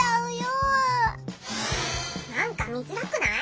なんか見づらくない？